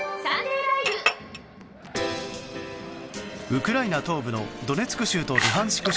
ウクライナ東部のドネツク州とルハンシク